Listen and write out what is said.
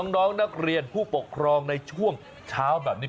น้องนักเรียนผู้ปกครองในช่วงเช้าแบบนี้